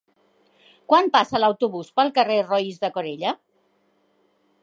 Quan passa l'autobús pel carrer Roís de Corella?